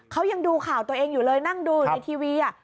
เขายังดูข่าวตัวเองอยู่เลยนั่งดูในทีวี